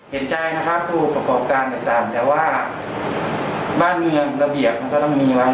เห็นใจนะครับผู้ประกอบการต่างแต่ว่าบ้านเมืองระเบียบมันก็ต้องมีไว้